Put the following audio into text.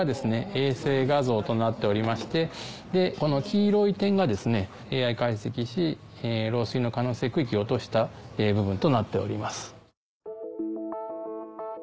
衛星画像となっておりましてこの黄色い点がですねＡＩ解析し漏水の可能性区域を落とした部分となっております。